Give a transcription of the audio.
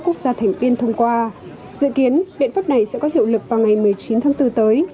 quốc gia thành viên thông qua dự kiến biện pháp này sẽ có hiệu lực vào ngày một mươi chín tháng bốn tới